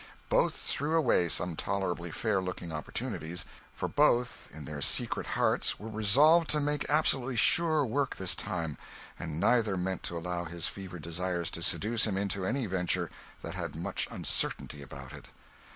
Both threw away some tolerably fair looking opportunities; for both, in their secret hearts, were resolved to make absolutely sure work this time, and neither meant to allow his fevered desires to seduce him into any venture that had much uncertainty about it.